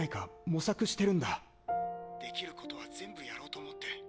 できることは全部やろうと思って。